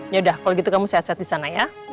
yaudah kalau gitu kamu sehat sehat disana ya